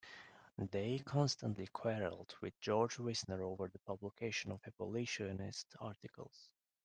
Day constantly quarreled with George Wisner over the publication of abolitionist articles.